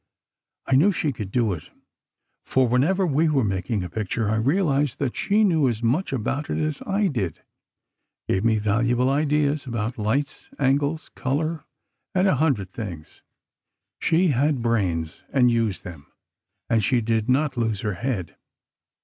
I knew she could do it, for whenever we were making a picture I realized that she knew as much about it as I did—gave me valuable ideas about lights, angles, color, and a hundred things. She had brains, and used them, and she did not lose her head.